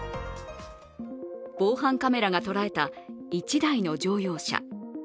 防犯カメラが捉えた１台の乗用車。